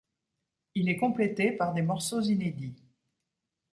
Il est complété par des morceaux inédits.